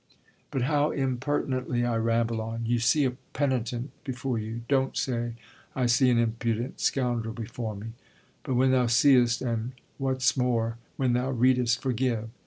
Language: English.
But how impertinently I ramble on "You see a penitent before you," don't say "I see an impudent scoundrel before me" But when thou seest, and what's more, when thou readest, forgive.